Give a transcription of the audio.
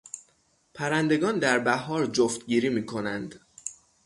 پرندگان در بهار جفتگیری میکنند.